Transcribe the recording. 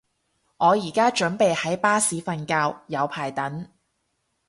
我而家準備喺巴士瞓覺，有排等